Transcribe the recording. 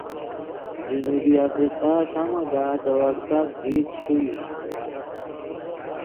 جنوبی آفریقہ تا مگاہ دے ورلڈ کپ جیت چے ݰوئی